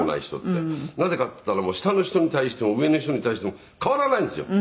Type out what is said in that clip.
「なぜかって言ったら下の人に対しても上の人に対しても変わらないんですよ」